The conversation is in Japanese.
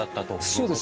そうです。